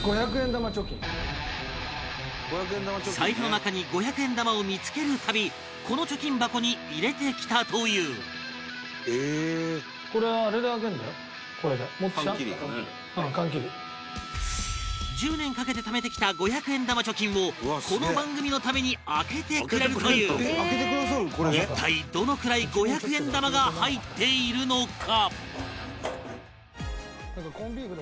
財布の中に五百円玉を見付けるたびこの貯金箱に入れてきたという１０年かけて貯めてきた五百円玉貯金をこの番組のために開けてくれるという一体、どのくらい五百円玉が入っているのか？